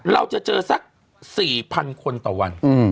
เราจะเจอสัก๔๐๐๐คนต่อวัน